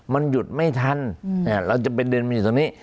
มันหยุดไม่ทันเราจะไปเดินมาอยู่ตรงนี้